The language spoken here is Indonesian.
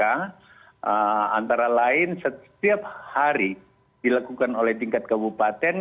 antara lain setiap hari dilakukan oleh tingkat kabupaten